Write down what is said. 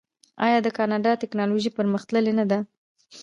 آیا د کاناډا ټیکنالوژي پرمختللې نه ده؟